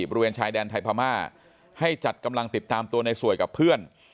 บริเวณชายแดนไทยพม่าให้จัดกำลังติดตามตัวในสวยกับเพื่อน